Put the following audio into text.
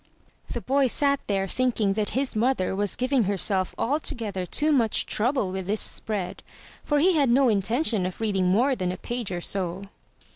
The boy sat there thinking that his mother was giving her self altogether too much trouble with this spread, for he had no intention of reading more than a page or so.